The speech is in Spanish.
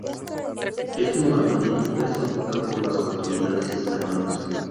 Este levantamiento fue sofocado por las autoridades españolas.